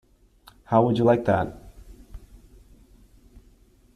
How would you like that?